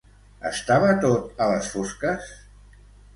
Estava tot a les fosques?